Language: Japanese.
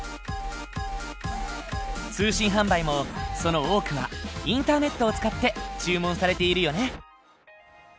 通信販売もその多くはインターネットを使って注文されているよね。